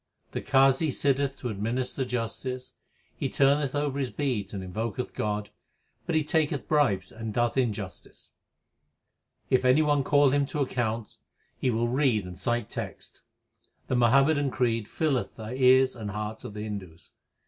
The Qazi sitteth to administer justice ; He turneth over his beads and invoketh God, But he taketh bribes and doeth injustice. If any one call him to account, he will read and cite texts. The Muhammadan creed nlleth the ears and hearts of the Hindus.